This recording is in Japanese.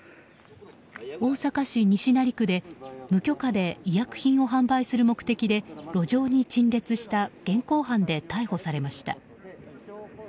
大阪市西成区で無許可で医薬品を販売する目的で路上に陳列した現行犯で逮捕されました。